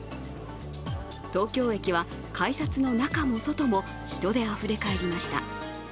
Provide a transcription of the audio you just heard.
東京駅は改札の中も外も人であふれかえりました。